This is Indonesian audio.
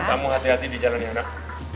kamu hati hati di jalan ya nak